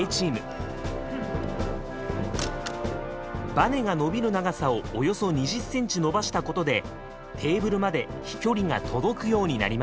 ばねが伸びる長さをおよそ２０センチ伸ばしたことでテーブルまで飛距離が届くようになりました。